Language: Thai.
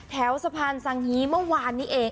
แถวสะพานสังฮีเมื่อวานนี้เอง